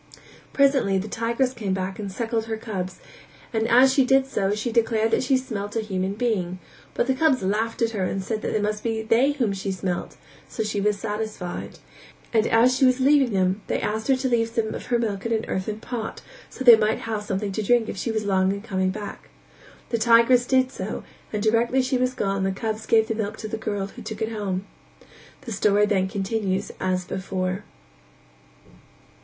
Presently the tigress came back and suckled her cubs and as she did so she declared that she smelt a human being, but the cubs laughed at her and said that it must be they whom she smelt; so she was satisfied, and as she was leaving them they asked her to leave some of her milk in an earthern pot so that they might have something to drink if she were long in coming back. The tigress did so and directly she was gone the cubs gave the milk to the girl who took it home. The story then continues as before.